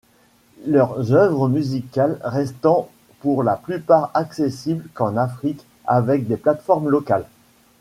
Leurs œuvres musicales restant pour la plupart accessibles qu’en Afrique avec des plateformes locales.